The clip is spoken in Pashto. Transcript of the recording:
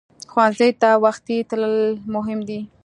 ښوونځی ته وختي تلل مهم دي